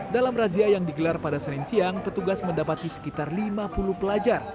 dalam razia yang digelar pada senin siang petugas mendapati sekitar lima puluh pelajar